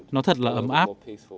nó thật là ấm áp